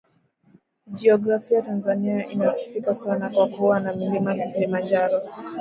Jiografia Tanzania inasifika sana kwa kuwa na Mlima Kilimanjaro